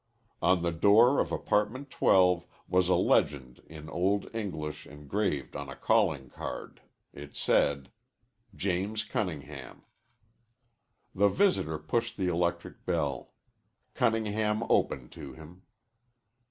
On the door of apartment 12 was a legend in Old English engraved on a calling card. It said: James Cunningham The visitor pushed the electric bell. Cunningham opened to him.